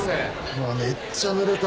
うわめっちゃぬれた。